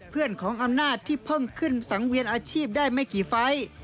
เพื่อนของอำนาจที่เพิ่งขึ้นสังเวียนอาชีพได้ไม่กี่ไฟล์